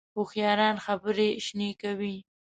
هوښیاران خبرې شنې کوي